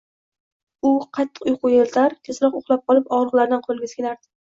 Uni qattiq uyqu elitar, tezroq uxlab qolib og`riqlardan qutilgisi kelardi